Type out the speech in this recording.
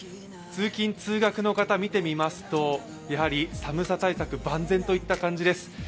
通勤通学の方、見てみますと、やはり寒さ対策万全といった感じです。